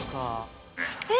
えっ！